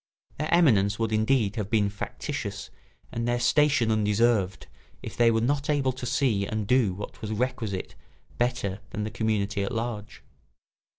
Their eminence would indeed have been factitious and their station undeserved if they were not able to see and do what was requisite better than the community at large.